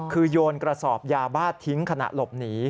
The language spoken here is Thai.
คือโยนกระสอบยาบ้าทิ้งขณะหลบหนี